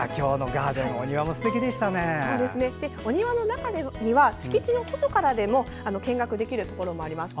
ガーデンは敷地の外からでも見学できるところもあります。